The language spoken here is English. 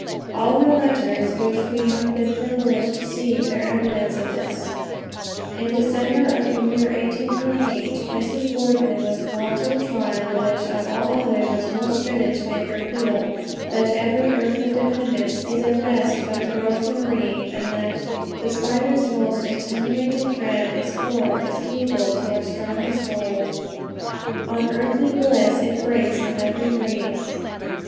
" All her letters which we have been privileged to see, bear evidence of this. In December of the year 1828, Mrs. Boardman was called to a trial which of all others was most fitted to make her feel that every earthly dependence is at best but a broken reed, and that "The spider's most attenuated thread Is cord, is cable, to our strongest hold On earthly bliss; it breaks with every breeze."